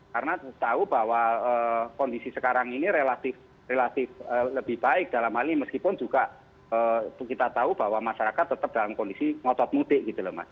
karena tahu bahwa kondisi sekarang ini relatif lebih baik dalam hal ini meskipun juga kita tahu bahwa masyarakat tetap dalam kondisi ngopot mudik gitu loh mas